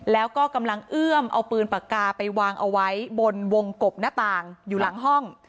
แล้วก็กำลังเอื้อมเอาปืนปากกาไปวางเอาไว้บนวงกบหน้าต่างอยู่หลังห้อง